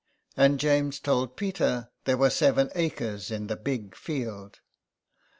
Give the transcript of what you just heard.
And James told Peter there were seven acres in the Big field.